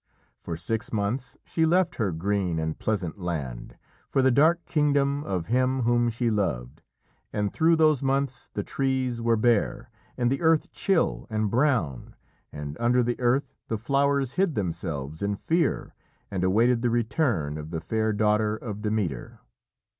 For six months she left her green and pleasant land for the dark kingdom of him whom she loved, and through those months the trees were bare, and the earth chill and brown, and under the earth the flowers hid themselves in fear and awaited the return of the fair daughter of Demeter.